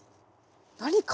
何か？